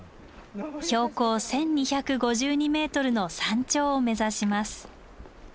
標高１，２５２ｍの山頂を目指します。